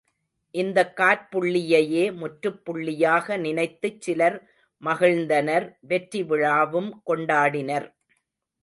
இந்தக் காற்புள்ளியையே முற்றுப் புள்ளியாக நினைத்துச் சிலர் மகிழ்ந்தனர் வெற்றிவிழாவும் கொண்டாடினர்.